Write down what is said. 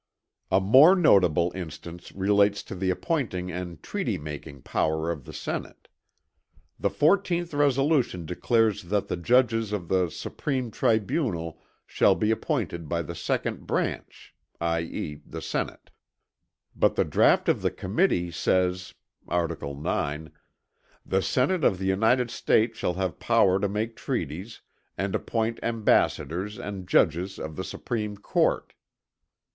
A more notable instance relates to the appointing and treaty making power of the Senate. The 14th resolution declares that the judges of the "Supreme tribunal shall be appointed by the second branch" i.e. the Senate. But the draught of the Committee says (art. IX), "The Senate of the United States shall have power to make treaties, and appoint Ambassadors and judges of the Supreme Court."